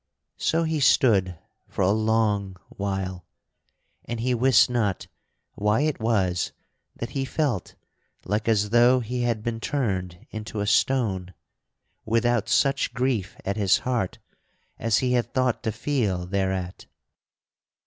So he stood for a long while, and he wist not why it was that he felt like as though he had been turned into a stone, without such grief at his heart as he had thought to feel thereat.